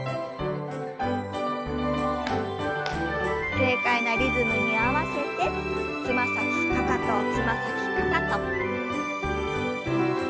軽快なリズムに合わせてつま先かかとつま先かかと。